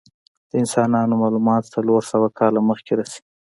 د انسانانو معلومات څلور سوه کاله مخکې رسی.